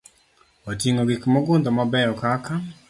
Oting'o gik mogundho mabeyo kaka